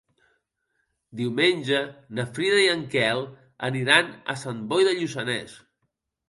Diumenge na Frida i en Quel aniran a Sant Boi de Lluçanès.